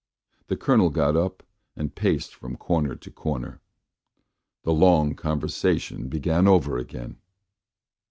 The Colonel got up and paced from corner to corner. The long conversation began over again.